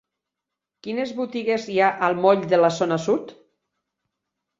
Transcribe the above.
Quines botigues hi ha al moll de la Zona Sud?